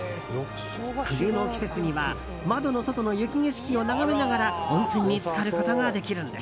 冬の季節には窓の外の雪景色を眺めながら温泉に浸かることができるんです。